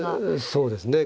そうですね。